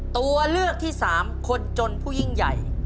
ตัวเลือกที่๓คนจนผู้ยิ่งใหญ่